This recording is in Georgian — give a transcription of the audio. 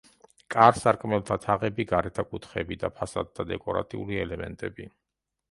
კარ-სარკმელთა თაღები, გარეთა კუთხეები და ფასადთა დეკორატიული ელემენტები.